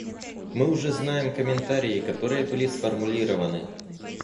Мы уже знаем комментарии, которые были сформулированы.